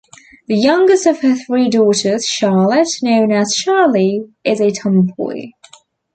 The youngest of her three daughters, Charlotte, known as "Charlie", is a tomboy.